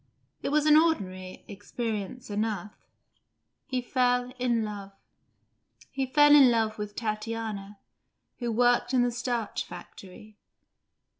It was an ordinary experience enough: he fell in love. He fell in love with Tatiana, who worked in the starch factory.